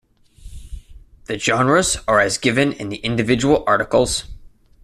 The genres are as given in the individual articles.